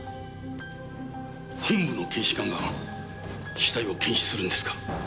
本部の検視官が死体を検視するんですか？